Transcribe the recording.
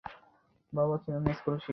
বাবা ছিলেন স্কুল শিক্ষক।